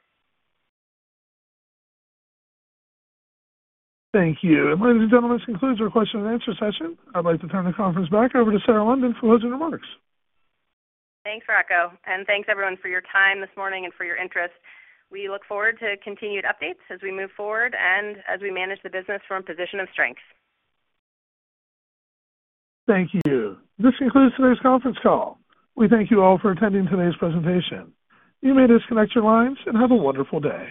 Thank you. Ladies and gentlemen, this concludes our question and answer session. I'd like to turn the conference back over to Sarah London for closing remarks. Thanks, Rocco. Thanks, everyone, for your time this morning and for your interest. We look forward to continued updates as we move forward and as we manage the business from a position of strength. Thank you. This concludes today's conference call. We thank you all for attending today's presentation. You may disconnect your lines and have a wonderful day.